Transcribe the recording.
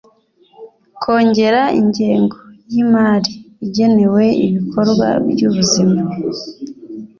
kongera ingengo y'imari igenewe ibikorwa by'ubuzima